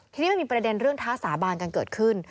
ทีนี้มันมีประเด็นเรื่องท้าสาบานกันเกิดขึ้น